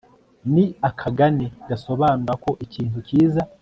ni akagani gasobanura ko ikintu kiza